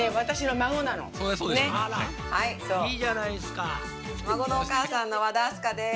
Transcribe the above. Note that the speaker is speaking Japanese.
まごのおかあさんの和田明日香です。